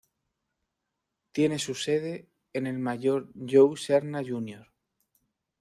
Tiene su sede en el Mayor Joe Serna, Jr.